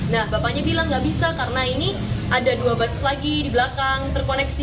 nah bapaknya bilang nggak bisa karena ini ada dua bus lagi di belakang terkoneksi